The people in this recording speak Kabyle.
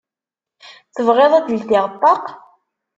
Tebɣiḍ ad d-ldiɣ ṭṭaq?